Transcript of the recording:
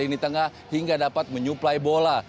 lini tengah hingga dapat menyuplai bola